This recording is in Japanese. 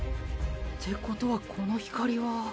ってことはこのヒカリは。